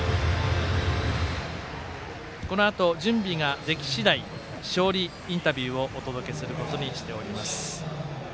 このあと準備が出来次第勝利インタビューをお届けすることにしています。